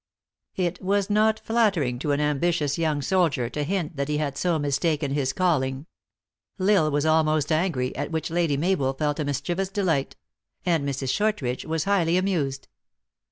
It was not flattering to an ambitious young soldier to hint that he had so mistaken his calling. L Isle was almost angry, at which Lady Mabel felt a mis chievous delight ; and Mrs. Shortridge was highly amused.